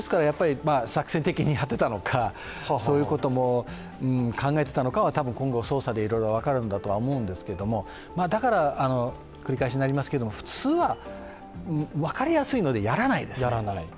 作戦的にやっていたのか、そういうことも考えていたのかは今後、捜査でいろいろ分かるんだとは思うんですけど、だから普通は、分かりやすいのでやらないですね。